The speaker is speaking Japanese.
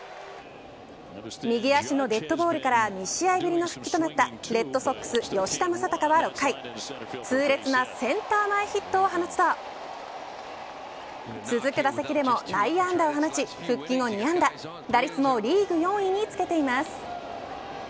右足のデッドボールから２試合ぶりの復帰となったレッドソックス吉田正尚は６回痛烈なセンター前ヒットを放つと続く打席でも内野安打を放ち、復帰後２安打打率もリーグ４位につけています。